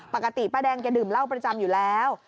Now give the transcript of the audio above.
ป้าแดงแกดื่มเหล้าประจำอยู่แล้ว